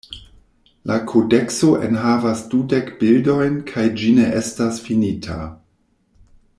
La kodekso enhavas dudek bildojn kaj ĝi ne estas finita.